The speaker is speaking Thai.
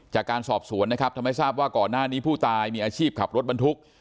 จากการสอบสวนนะครับทำให้ทราบว่าก่อนหน้านี้ผู้ตายมีอาชีพขับรถบรรทุก